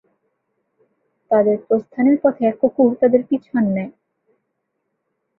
তাঁদের প্রস্থানের পথে এক কুকুর তাঁদের পিছু নেয়।